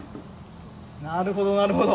なるほど、なるほど。